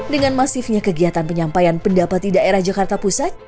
dengan masifnya kegiatan penyampaian pendapat di daerah jakarta pusat